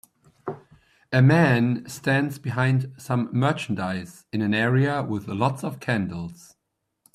A man stands behind some merchandise in an area with lots of candles.